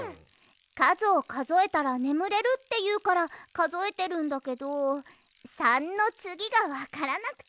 かずをかぞえたらねむれるっていうからかぞえてるんだけど３のつぎがわからなくて。